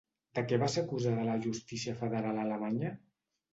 De què va ser acusada la justícia federal alemanya?